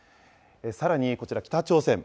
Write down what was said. さらにこちら、北朝鮮。